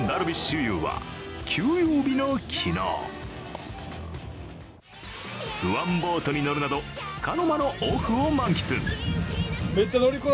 有は休養日の昨日、スワンボートに乗るなどつかの間のオフを満喫。